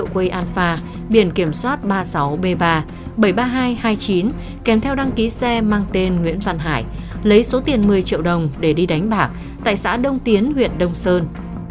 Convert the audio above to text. quây an pha biển kiểm soát ba mươi sáu b ba bảy trăm ba mươi hai hai mươi chín kèm theo đăng ký xe mang tên nguyễn văn hải lấy số tiền một mươi triệu đồng để đi đánh bạc tại xã đông tiến huyện đông sơn